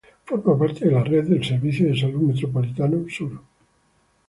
Forma parte de la red del Servicio de Salud Metropolitano Sur.